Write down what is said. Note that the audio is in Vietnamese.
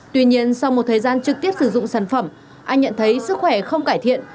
tuy nhiên sau một thời gian trực tiếp sử dụng sản phẩm anh nhận thấy sức khỏe không cải thiện